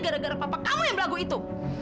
gara gara papa kamu yang berlagu itu